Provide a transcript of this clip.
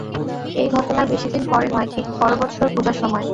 এই ঘটনার বেশী দিন পরে নয়, ঠিক পর বৎসর পূজার সময়।